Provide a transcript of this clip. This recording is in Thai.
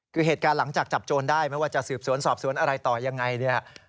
คือเหตุการณ์หลังจากจับโจรได้ไม่ว่าจะสืบสวนสอบสวนอะไรต่อยังไงเนี่ย